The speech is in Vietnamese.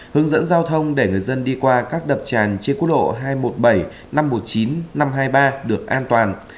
hướng dẫn giao thông để người dân đi qua các đập tràn trên quốc lộ hai trăm một mươi bảy năm trăm một mươi chín năm trăm hai mươi ba được an toàn